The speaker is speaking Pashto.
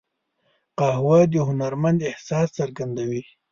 قهوه د هنرمند احساس څرګندوي